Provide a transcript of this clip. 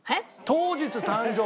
当日誕生日。